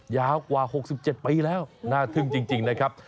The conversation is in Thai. ยาวกว่า๖๗ปีแล้วน่าทึ่งจริงนะครับ